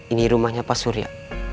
ini rumahnya pak surya